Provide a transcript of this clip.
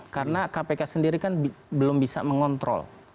karena kpk sendiri kan belum bisa mengontrol